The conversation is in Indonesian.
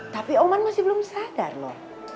tapi oman masih belum sadar loh